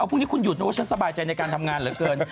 พรุ่งนี้คุณหยุดนะว่าฉันสบายใจในการทำงานเหลือเกิน